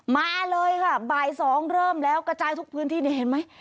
มาเลยค่ะบ่าย๒เริ่มแล้วกระจายทุกพื้นที่นี่เห็นไหม